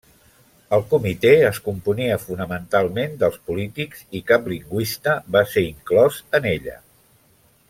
El Comitè es componia fonamentalment dels polítics, i cap lingüista va ser inclòs en ella.